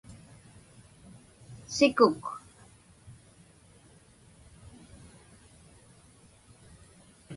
sikuk